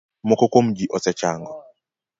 Moko kuom ji osechango.